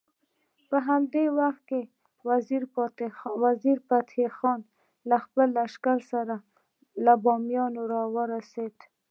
په همدې وخت کې وزیر فتح خان له خپل لښکر سره له بامیانو راورسېد.